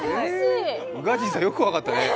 宇賀神さん、よく分かったね